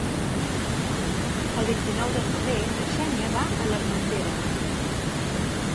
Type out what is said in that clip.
El vint-i-nou de febrer na Xènia va a l'Armentera.